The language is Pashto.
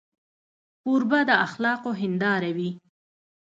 کوربه د اخلاقو هنداره وي.